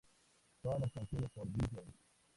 Todas las canciones por Billy Joel.